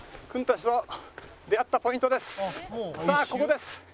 さあここです。